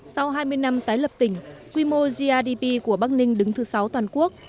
sau hai mươi năm tái lập tỉnh quy mô grdp của bắc ninh đứng thứ sáu toàn quốc